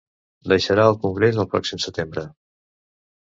Deixarà al congrés el pròxim setembre.